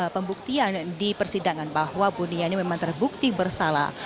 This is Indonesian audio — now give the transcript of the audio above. pembuktian di persidangan bahwa buniani memang terbukti bersalah